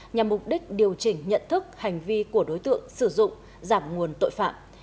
nhằm mục đích điều chỉnh nhận thức hành vi của đối tượng sử dụng giảm nguồn tội phạm